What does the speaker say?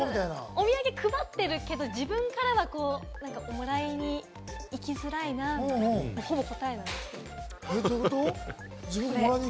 お土産配ってるけれども、自分からはもらいに行きづらいなって、ほぼ答えになっちゃったけれども。